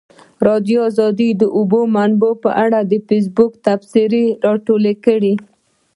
ازادي راډیو د د اوبو منابع په اړه د فیسبوک تبصرې راټولې کړي.